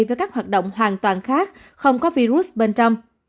với các hoạt động hoàn toàn khác không có virus bên trong